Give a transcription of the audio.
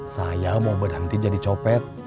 saya mau berhenti jadi copet